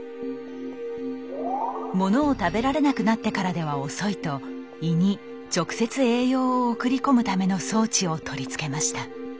物を食べられなくなってからでは遅いと胃に直接栄養を送り込むための装置を取り付けました。